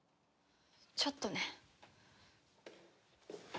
ちょっとね。